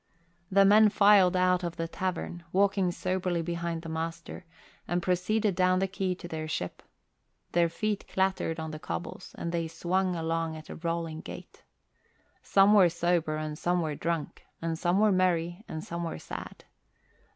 The men filed out of the tavern, walking soberly behind the master, and proceeded down the quay to their ship. Their feet clattered on the cobbles and they swung along at a rolling gait. Some were sober and some were drunk; and some were merry and some were sad.